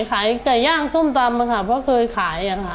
ขายไก่ย่างส้มตำค่ะเพราะเคยขาย